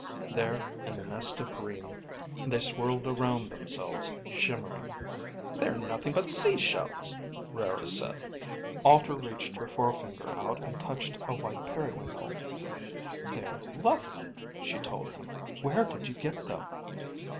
There in the nest of green, they swirled around themselves, shimmering. "They're nothing but sea shells," Rara said. Alter reached her forefinger out and touched a white periwinkle. "They're lovely," she told him. "Where did you get them?"